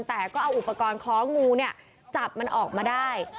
แต่ก็เอาอุปกรณ์คล้องงูเนี่ยจับมันออกมาได้